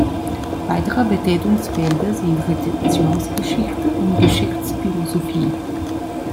Weitere Betätigungsfelder sind Rezeptionsgeschichte und Geschichtsphilosophie.